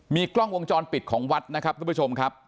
มีกล้องวงจรปิดของวัดนะครับทุกผู้ชมครับ